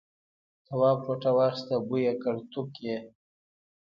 تواب ټوټه واخیسته بوی یې کړ توک یې.